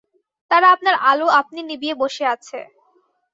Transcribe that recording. তারা আপনার আলো আপনি নিবিয়ে বসে আছে।